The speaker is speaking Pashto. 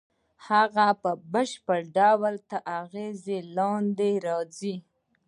هغه په بشپړ ډول تر اغېز لاندې یې راځي